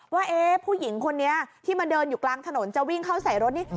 ว่าผู้หญิงคนนี้ที่มาเดินอยู่กลางถนนจะวิ่งเข้าใส่รถนี่